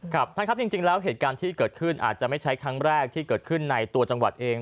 ครับท่านครับจริงแล้วเหตุการณ์ที่เกิดขึ้นอาจจะไม่ใช่ครั้งแรกที่เกิดขึ้นในตัวจังหวัดเอง